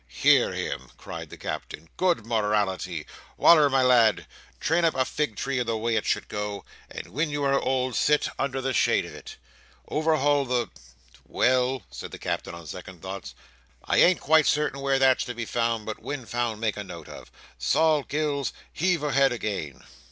"Hear him!" cried the Captain. "Good morality! Wal"r, my lad. Train up a fig tree in the way it should go, and when you are old sit under the shade on it. Overhaul the—Well," said the Captain on second thoughts, "I ain't quite certain where that's to be found, but when found, make a note of. Sol Gills, heave ahead again!"